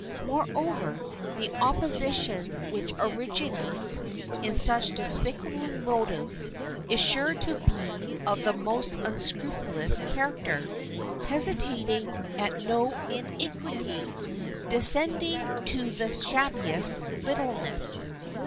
Moreover, the opposition which originates in such despicable motives is sure to be of the most unscrupulous character, hesitating at no iniquity, descending to the shabbiest littleness.